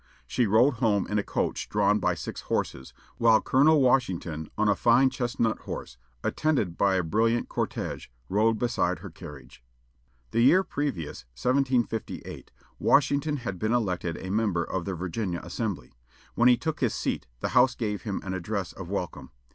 She rode home in a coach drawn by six horses, while Colonel Washington, on a fine chestnut horse, attended by a brilliant cortége, rode beside her carriage. The year previous, 1758, Washington had been elected a member of the Virginia Assembly. When he took his seat, the House gave him an address of welcome.